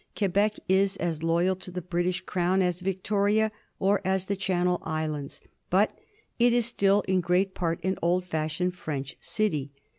Quebec is as loyal to the British Crown as Victoria or as the Channel Islands. Bat it is still in great part an old fashioned French city.